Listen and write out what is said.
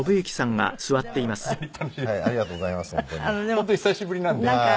本当に久しぶりなんで。